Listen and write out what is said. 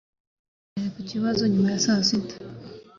Twaganiriye ku kibazo nyuma ya saa sita